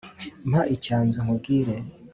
mpa icyanzu nkubwire